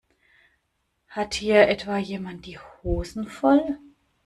Hat hier etwa jemand die Hosen voll?